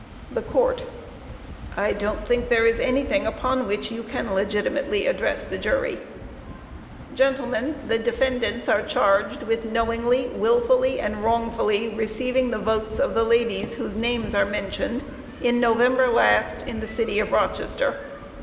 THE COURT: I don't think there is anything upon which you can legitimately address the jury. Gentlemen, the defendants are charged with knowingly, willfully and wrongfully receiving the votes of the ladies whose names are mentioned, in November last, in the City of Rochester.